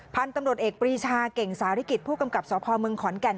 พันธุ์ตำรวจเอกปรีชาเก่งสาริกิจผู้กำกับสพเมืองขอนแก่น